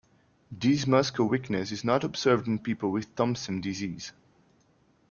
This muscle weakness is not observed in people with Thomsen disease.